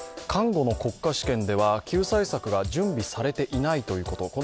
看護の国家試験では救済策が準備されていないということ。